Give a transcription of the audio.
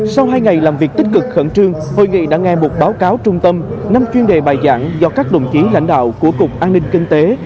sau hai ngày làm việc tích cực khẩn trương hội nghị đã nghe một báo cáo trung tâm năm chuyên đề bài giảng do các đồng chí lãnh đạo của cục an ninh kinh tế